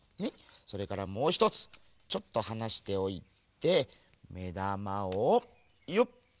それからもうひとつちょっとはなしておいてめだまをよっ。